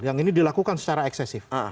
yang ini dilakukan secara eksesif